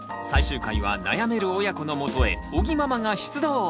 最終回は悩める親子のもとへ尾木ママが出動！